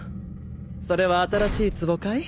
それは新しい壺かい？